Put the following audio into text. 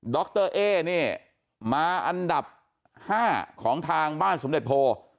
รเอ๊นี่มาอันดับ๕ของทางบ้านสมเด็จโพ